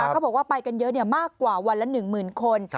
เขาบอกว่าไปกันเยอะมากกว่าวันละ๑๐๐๐คน